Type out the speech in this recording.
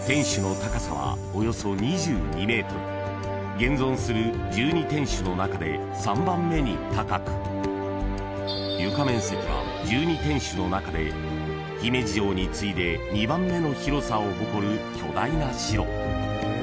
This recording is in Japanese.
［現存する１２天守の中で３番目に高く床面積は１２天守の中で姫路城に次いで２番目の広さを誇る巨大な城］